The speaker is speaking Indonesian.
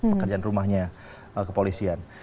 pekerjaan rumahnya kepolisian